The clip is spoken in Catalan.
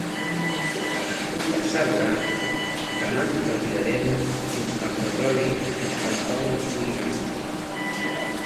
Et puc assegurar que no ens retirarem fins que el petroli, fins que la pau no estigui garantida.